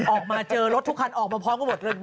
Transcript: ออกมาเจอรถทุกคันออกมาพร้อมกันหมดเลย